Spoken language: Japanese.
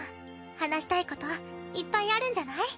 話したいこといっぱいあるんじゃない？